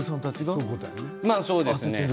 そうですね。